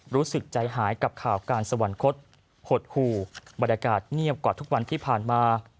รู้สึกใจหายกับข่าวการสวรรคตหดหู่บรรยากาศเงียบกว่าทุกวันที่ผ่านมา